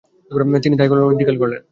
তিনি তাই করলেন ও ইন্তিকাল করলেন।